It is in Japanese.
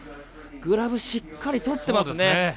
グラブしっかりとってますね。